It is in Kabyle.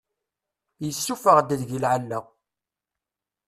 Yessuffeɣ-d deg-i lɛella.